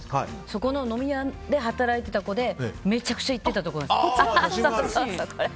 そこの飲み屋で働いていた子でめちゃくちゃ行ってたんです。